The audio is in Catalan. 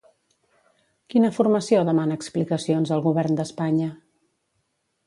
Quina formació demana explicacions al govern d'Espanya?